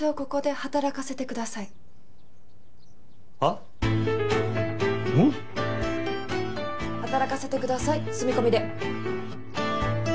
働かせてください住み込みで。